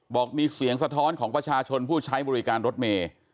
บอกมีเสียงสะท้อนของประชาชนผู้ใช้บริการรถเมย์